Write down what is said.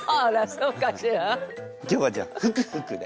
今日はじゃあふくふくで。